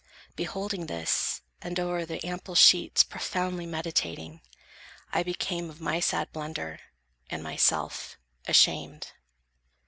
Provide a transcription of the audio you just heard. Beholding this, and o'er the ample sheets Profoundly meditating, I became Of my sad blunder, and myself, ashamed.